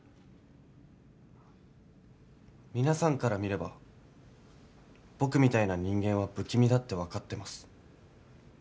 皆さんから見れば僕みたいな人間は不気味だってわかってます。